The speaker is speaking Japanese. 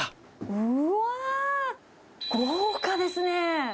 うわー、豪華ですね。